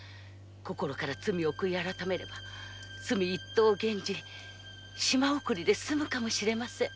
心から罪を悔い改めれば罪一等を減じて島送りで済むかもしれません。